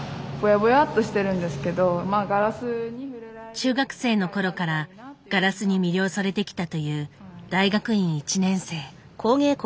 中学生の頃からガラスに魅了されてきたという大学院１年生。